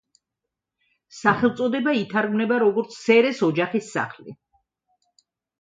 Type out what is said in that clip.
სახელწოდება ითარგმნება როგორც „სერეს ოჯახის სახლი“.